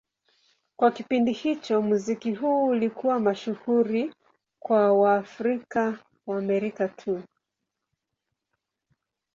Kwa kipindi hicho, muziki huu ulikuwa mashuhuri kwa Waafrika-Waamerika tu.